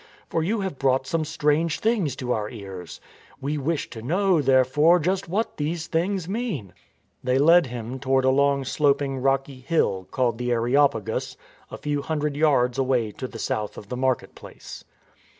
For you have brought some strange things to our ears. We wish to know, therefore, just what these things mean." They led him toward a long sloping rocky hill, called the Areo 220 STORM AND STRESS pagus, a few hundred yards away to the south of the market place.